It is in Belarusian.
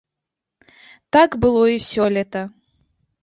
Так было і сёлета.